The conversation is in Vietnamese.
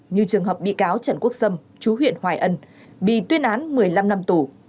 như trường hợp bị cáo trần quốc sâm chú huyện hoài ân bị tuyên án một mươi năm năm tù